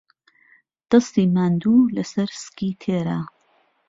دەستی ماندوو لەسەر سکی تێرە